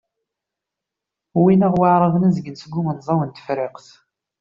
Wwin-aɣ Waεraben azgen seg umenẓaw n Tefriqt.